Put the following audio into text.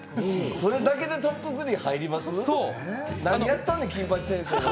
それだけでトップ３に入りますか。